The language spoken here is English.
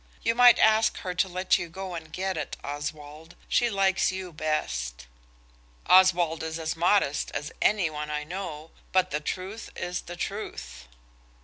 You might ask her to let you go and get it, Oswald. She likes you best." Oswald is as modest as any one I know, but the truth is the truth.